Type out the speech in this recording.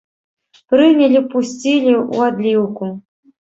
Прынялі, пусцілі ў адліўку.